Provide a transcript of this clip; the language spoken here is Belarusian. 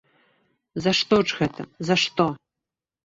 За што ж гэта, за што?